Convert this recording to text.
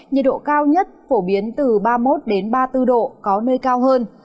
nhiệt độ cao nhất phổ biến từ ba mươi một ba mươi bốn độ có nơi cao hơn